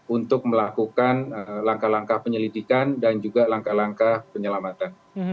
untuk melakukan langkah langkah penyelidikan dan juga langkah langkah penyelamatan